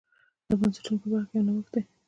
دا د بنسټونو په برخه کې یو نوښت دی.